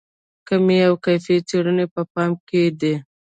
کمي او کیفي څېړنې په پام کې دي.